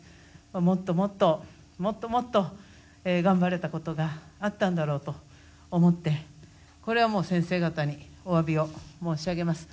もっともっと、もっともっと頑張れたことがあったんだろうと思ってこれは先生方におわびを申し上げます。